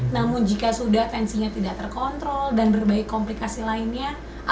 namun jika sudah tensinya tidak terkontrol dan berbagai komplikasi lainnya